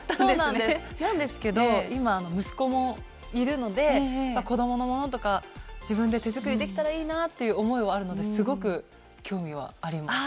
なんですけど今息子もいるので子供のものとか自分で手作りできたらいいなぁという思いはあるのですごく興味はあります。